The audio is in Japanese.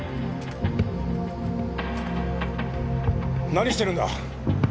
何してるんだ！